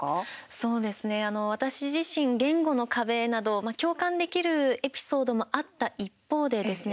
そうですね、あの私自身、言語の壁など共感できるエピソードもあった一方でですね。